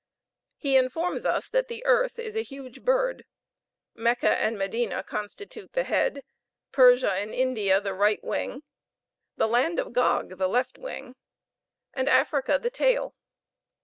He informs us that the earth is a huge bird, Mecca and Medina constitute the head, Persia and India the right wing, the land of Gog the left wing, and Africa the tail.